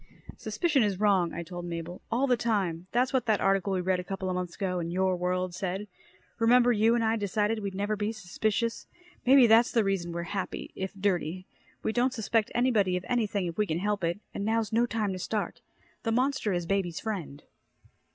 "Suspicion is wrong," I told Mabel. "All the time. That's what that article we read a couple months ago in Your World said. Remember you and I decided we'd never be suspicious. Maybe that's the reason we're happy if dirty. We don't suspect anybody of anything if we can help it and now's no time to start. The monster is baby's friend."